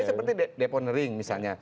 ya seperti depo nering misalnya